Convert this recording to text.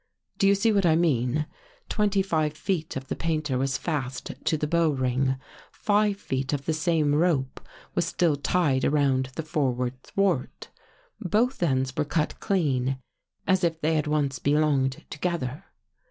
Do you see what I mean? Twenty five feet of the painter was fast to the bow ring. Five feet of the same rope was still tied around the forward thwart. Both ends were cut clean as if they had once belonged together."